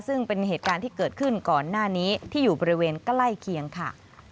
ซึ่งเป็นเหตุการณ์ที่เกิดขึ้นก่อนหน้านี้ที่อยู่บริเวณใกล้เคียงค่ะ